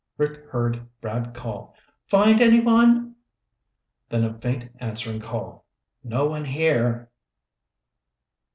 Rick heard Brad call, "Find anyone?" Then a faint answering call. "No one here."